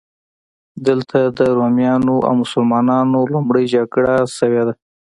دلته د رومیانو او مسلمانانو لومړۍ جګړه شوې ده.